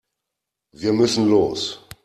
Wir müssen los.